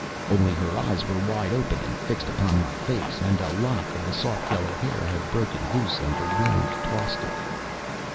Only her eyes were wide open and fixed upon my face; and a lock of the soft yellow hair had broken loose, and the wind tossed it.